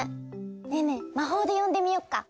ねえねえまほうでよんでみよっか。